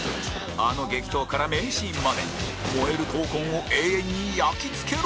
あの激闘から名シーンまで燃える闘魂を永遠に焼き付けろ！